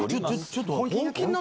ちょっと！